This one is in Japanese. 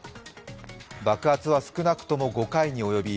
爆発は少なくとも５回に及び